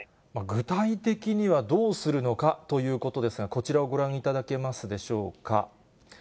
具体的にはどうするのかということですが、こちらをご覧いただけますでしょうか。